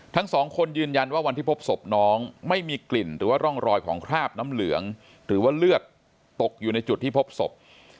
ทั้งสองคนยืนยันว่าวันที่พบศพน้องไม่มีกลิ่นหรือว่าร่องรอยของคราบน้ำเหลืองหรือว่าเลือดตกอยู่ในจุดที่พบศพ